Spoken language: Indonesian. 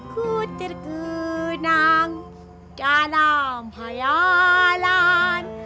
ku terkenang dalam khayalan